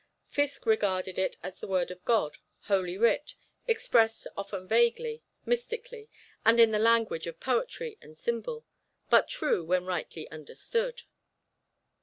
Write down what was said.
Fiske regarded it as the word of God, Holy Writ, expressed often vaguely, mystically, and in the language of poetry and symbol, but true when rightly understood.